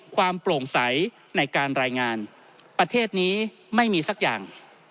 ความโปร่งใสในการรายงานประเทศนี้ไม่มีสักอย่าง